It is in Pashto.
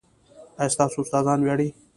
ایا ستاسو استادان ویاړي؟